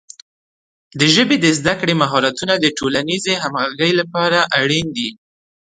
د ژبې د زده کړې مهارتونه د ټولنیزې همغږۍ لپاره اړین دي.